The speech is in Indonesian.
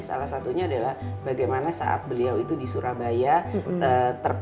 salah satunya adalah bagaimana saat beliau itu di surabaya terpaksa